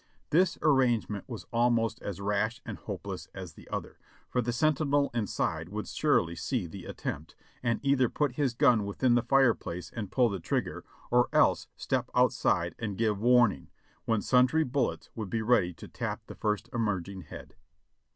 This arrangement was almost as rash and hopeless as the other, for the sentinel inside would surely see the attempt, and either put his gun within the fire place and pull the trigger, or else step out side and give warning, when sundry bullets would be ready to tap the first emerging head.